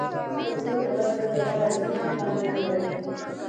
د خولې د بد بوی لپاره د څه شي پاڼې وژويئ؟